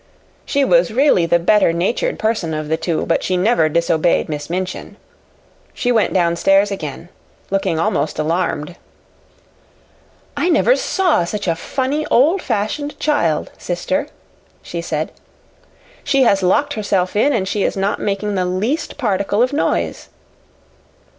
She was really the better natured person of the two, but she never disobeyed Miss Minchin. She went downstairs again, looking almost alarmed. "I never saw such a funny, old fashioned child, sister," she said. "She has locked herself in, and she is not making the least particle of noise."